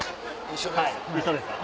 一緒ですか。